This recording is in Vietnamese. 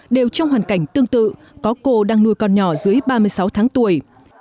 đều trong hoàn cảnh tương tự có cô đang nuôi con nhỏ dưới ba mươi sáu tháng tuổi